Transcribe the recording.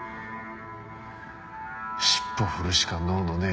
尻尾振るしか能のねえ